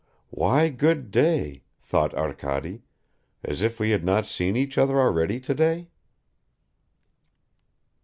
"Why good day?" thought Arkady. "As if we had not seen each other already today!"